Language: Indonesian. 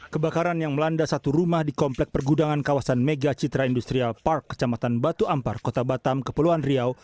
kebakaran yang melanda satu rumah di komplek pergudangan kawasan mega citra industrial park kecamatan batu ampar kota batam kepulauan riau